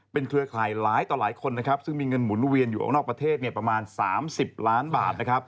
เป็นเครือข่ายหลายต่อหลายคนซึ่งมีเงินหมุนเวียนอยู่ออกนอกประเทศประมาณ๓๐ล้านบาท